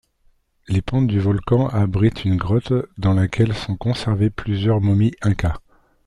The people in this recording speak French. Les pentes du volcan abritent une grotte dans laquelle sont conservées plusieurs momies inca.